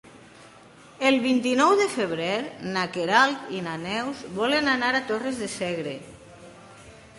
El vint-i-nou de febrer na Queralt i na Neus volen anar a Torres de Segre.